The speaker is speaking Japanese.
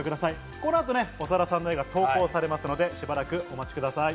この後、長田さんの絵が投稿されますので、しばらくお待ちください。